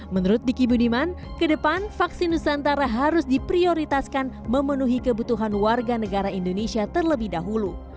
menurut diki budiman ke depan vaksin nusantara harus diprioritaskan memenuhi kebutuhan warga negara indonesia terlebih dahulu